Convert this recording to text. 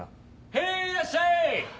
へいいらっしゃい！